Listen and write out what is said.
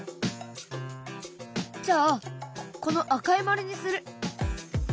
じゃあこの赤い丸にする。